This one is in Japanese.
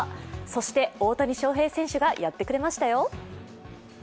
そして、大谷翔平選手がやってくれましたよ。